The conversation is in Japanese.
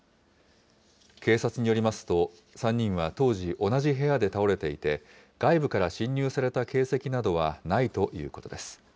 警察によりますと、３人は当時、同じ部屋で倒れていて、外部から侵入された形跡などはないということです。